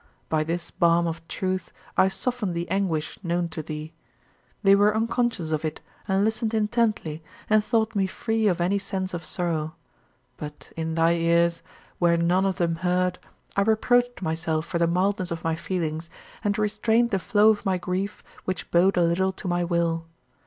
By this balm of truth, I softened the anguish known to thee. They were unconscious of it and listened intently and thought me free of any sense of sorrow. But in thy ears, where none of them heard, I reproached myself for the mildness of my feelings, and restrained the flow of my grief which bowed a little to my will.